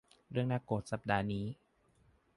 เรื่องน่าโกรธสัปดาห์นี้